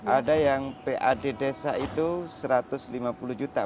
ada yang pad desa itu satu ratus lima puluh juta